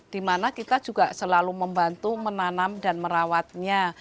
di mana kita juga selalu membantu menanam dan merawatnya